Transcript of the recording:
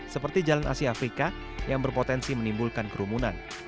seperti jalan asia afrika yang berpotensi menimbulkan kerumunan